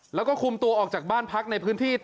แล้วก็คุมตัวออกจากบ้านพักในพื้นที่